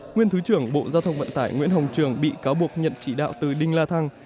nguyên thứ trưởng bộ giao thông vận tải nguyễn hồng trường bị cáo buộc nhận chỉ đạo từ đinh la thăng